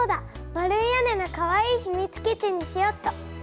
丸い屋根のかわいいひみつ基地にしよっと。